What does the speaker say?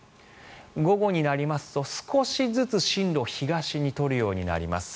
午後になりますと少しずつ進路を東に取るようになります。